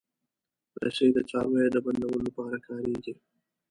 رسۍ د څارویو د بندولو لپاره کارېږي.